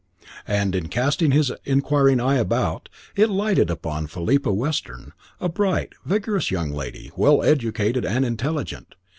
And in casting his inquiring eye about, it lighted upon Philippa Weston, a bright, vigorous young lady, well educated and intelligent.